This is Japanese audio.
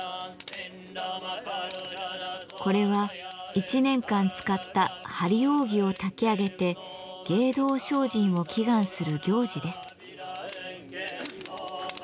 これは１年間使った「張り扇」を炊き上げて芸道精進を祈願する行事です。